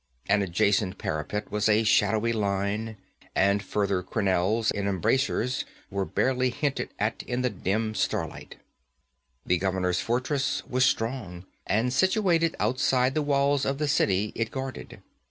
An adjacent parapet was a shadowy line, and further crenelles and embrasures were barely hinted at in the dim starlight. The governor's fortress was strong, and situated outside the walls of the city it guarded.